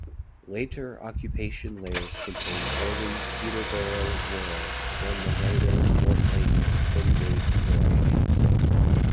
Later occupation layers contained early Peterborough ware than the later Mortlake and Fengate varieties.